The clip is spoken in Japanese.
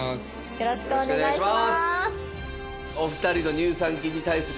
よろしくお願いします。